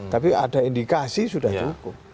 tapi ada indikasi sudah cukup